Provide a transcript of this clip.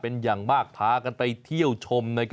เป็นอย่างมากพากันไปเที่ยวชม